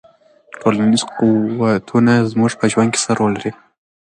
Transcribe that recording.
ټولنیز قوتونه زموږ په ژوند کې څه رول لري؟